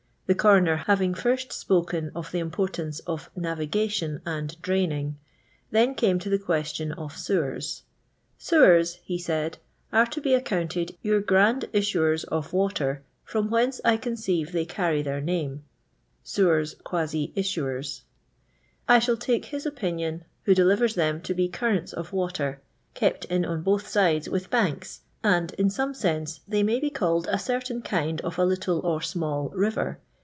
The coroner having first spoken of the importance of Navigation and Drayning" (drain ing), then came to the question of sewers. " Sewars," he said, are to be accounted your Ssnd Issuers of Water, fh>m whence I conceive ey carry their name (SetDort <iuati lutter*)* I shall take his opinion who deltvers them to be Currcnu of Water, kept in on both sides with banks, and, in some sense, they may be called a certain kind of a little or small river.